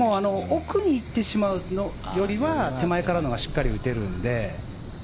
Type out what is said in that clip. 奥に行ってしまうよりは手前からの方が打てるので。